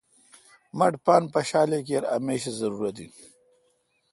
مٹھ پان پشال اے°کیر اہ میش۔ اے ضرورت این۔